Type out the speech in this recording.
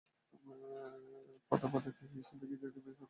প্রতাপাদিত্য খ্রিস্টানদের গির্জা নির্মাণে অর্থ সহায়তা প্রদান করেন।